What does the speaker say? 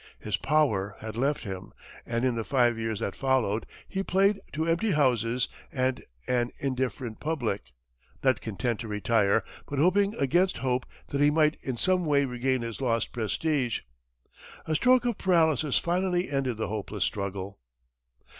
His power had left him, and in the five years that followed, he played to empty houses and an indifferent public, not content to retire, but hoping against hope that he might in some way regain his lost prestige. A stroke of paralysis finally ended the hopeless struggle.